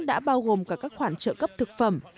đã bao gồm cả các khoản trợ cấp thực phẩm